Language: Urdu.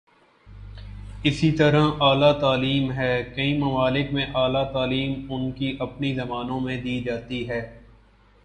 اسی طرح اعلی تعلیم ہے، کئی ممالک میںاعلی تعلیم ان کی اپنی زبانوں میں دی جاتی ہے۔